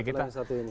setelah yang satu ini